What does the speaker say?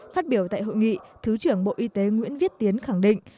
phát biểu tại hội nghị thứ trưởng bộ y tế nguyễn viết tiến khẳng định